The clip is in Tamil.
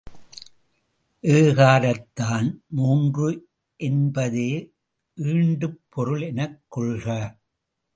ஏகாரத்தான், மூன்று என்பதே ஈண்டுப் பொருள் எனக் கொள்க.